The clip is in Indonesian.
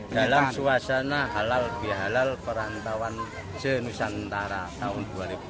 dalam suasana halal bihalal perantauan senusantara tahun dua ribu dua puluh